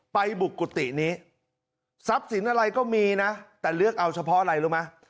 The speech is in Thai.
ไปบุกกุฏินี้ทรัพย์สินอะไรก็มีนะแต่เลือกเอาเฉพาะอะไรรู้ไหม